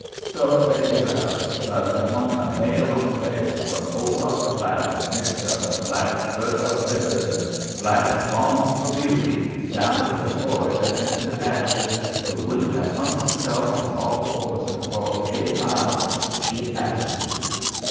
So they give it up, but there wa'n't a male on the place, from old Dr. Blatt, mixer of Blatt's Burdock Bitters and Blatt's Balm for Beauty, down to the boy that emptied the ashes, who wouldn't have humped himself on all fours and crawled eight miles if she'd asked him to.